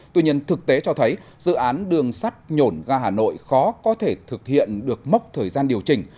tuy nhiên thực tế cho thấy dự án đường sắt nhổn ga hà nội khó có thể thực hiện được mốc thời gian điều chỉnh